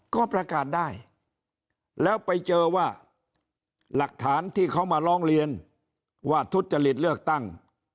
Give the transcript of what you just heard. ก็ประกาศได้แล้วไปเจอว่าหลักฐานที่เขามาร้องเรียนว่าทุจริตเลือกตั้ง